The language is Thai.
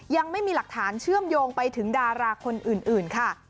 ยังไม่มีหลักฐานเชื่อมโยงไปถึงดาราคนอื่นค่ะ